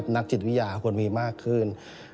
นักจิตวิทยาควรมีมากขึ้น